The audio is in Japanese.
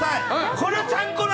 これ、ちゃんこ鍋！